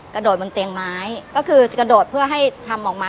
กระโดดบนเตียงไม้ก็คือจะกระโดดเพื่อให้ทำออกมา